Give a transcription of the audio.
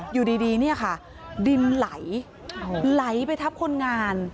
อยู่ดีดินไหลไหลไปทับคนงาน